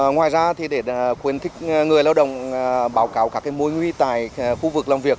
ngoài ra để quyền thích người lao động báo cáo các mối nguy tài khu vực làm việc